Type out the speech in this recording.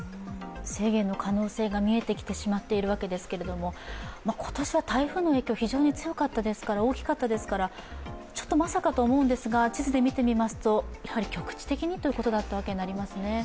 制限の可能性が見えてきてしまっているわけですけれども今年は台風の影響が非常に大きかったですからまさかと思うんですが、地図で見てみますと局地的にということだったんですね。